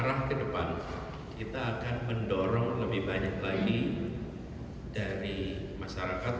arah ke depan kita akan mendorong lebih banyak lagi dari masyarakat